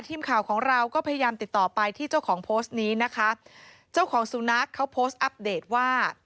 ทีมข่าวของเราก็พยายามติดต่อไปที่เจ้าของโพสต์นี้นะคะเจ้าของสุนัขเขาโพสต์อัปเดตว่า